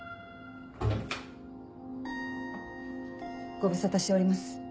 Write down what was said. ご無沙汰しております